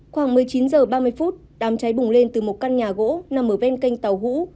khoảng một mươi chín h ba mươi phút đám cháy bùng lên từ một căn nhà gỗ nằm ở ven kênh tàu hũ